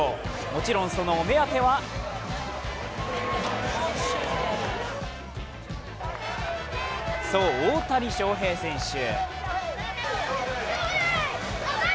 もちろんそのお目当てはそう、大谷翔平選手。